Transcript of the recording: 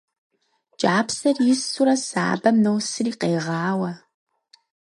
КӀапсэр исурэ сабэм носри, къегъауэ.